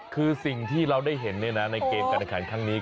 คือสิ่งที่เราได้เห็นในเกมกันอาคารข้างนี้